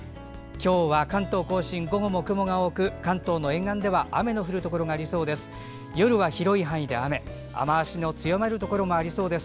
今日は関東・甲信午後も雲が多く関東の沿岸では雨の降るところがありそうです。